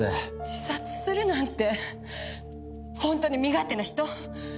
自殺するなんて本当に身勝手な人！